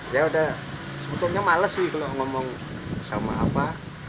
ya sudah sebetulnya malas sih kalau ngomong sama apa